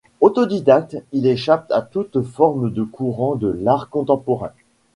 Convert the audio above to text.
Autodidacte, il échappe à toutes formes de courant de l'art contemporain.